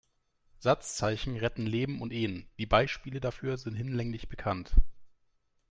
Satzzeichen retten Leben und Ehen, die Beispiele dafür sind hinlänglich bekannt.